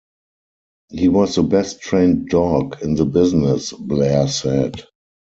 He was the best-trained dog in the business, Blair said.